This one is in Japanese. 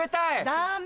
ダメ！